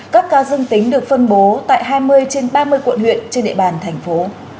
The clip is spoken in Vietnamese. các ca dương tính được phân bố tại hai mươi trên ba mươi quận huyện trên địa bàn thành phố